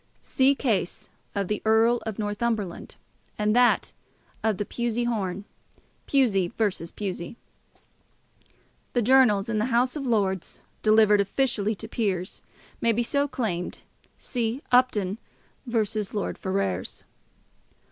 See case of the Earl of Northumberland; and that of the Pusey horn, Pusey v. Pusey. The journals of the House of Lords, delivered officially to peers, may be so claimed. See Upton v. Lord Ferrers.